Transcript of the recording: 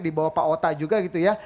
di bawah otak juga gitu ya